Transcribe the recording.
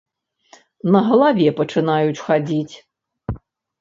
На галаве пачынаюць хадзіць.